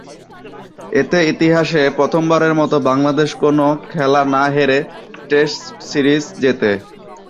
এতে ইতিহাসের প্রথমবারের মতো বাংলাদেশ কোনো খেলা না হেরে টেস্ট সিরিজ জেতে।